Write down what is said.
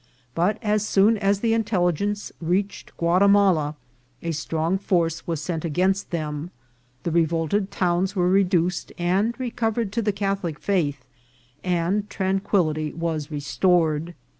But, as soon as the in telligence reached Guatimala, a strong force was sent against them, the revolted towns were reduced and re covered to the Catholic faith, and tranquillity was re stored.